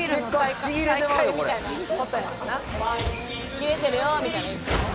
「“キレてるよ！”みたいなのを言ってるの？」